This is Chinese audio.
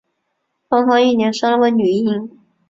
婚后一年生了个女婴